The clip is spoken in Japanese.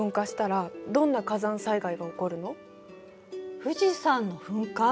富士山の噴火？